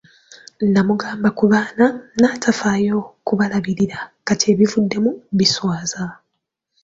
Nnamugamba ku baana n'atafaayo kubalabirira kati ebivuddemu biswaza.